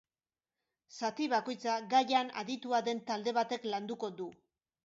Zati bakoitza gaian aditua den talde batek landuko du.